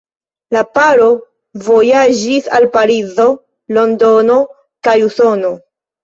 La paro vojaĝis al Parizo, Londono kaj Usono.